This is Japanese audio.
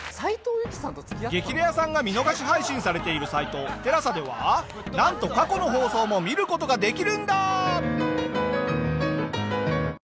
『激レアさん』が見逃し配信されているサイトＴＥＬＡＳＡではなんと過去の放送も見る事ができるんだ！